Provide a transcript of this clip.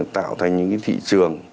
tạo thành những cái thị trường